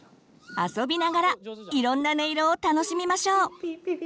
あそびながらいろんな音色を楽しみましょう。